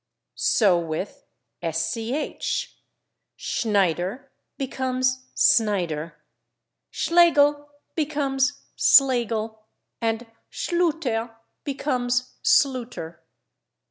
So with /sch/; /Schneider/ becomes /Snyder/, /Schlegel/ becomes /Slagel/, and /Schluter/ becomes /Sluter